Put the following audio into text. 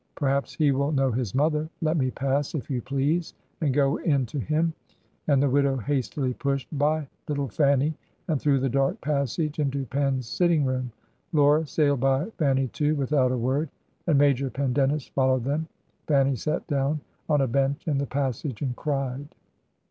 Perhaps he will know his mother; let me pass, if you please, and go in to him,' and the widow hastily pushed by little Fanny, and through the dark passage into Pen's sitting room. Laura sailed by Fanny, too, without a word; and Major Pendennis followed them. Fanny sat down on a bench in the passage and cried."